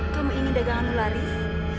kamu ingin daganganmu laris